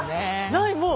ないもう。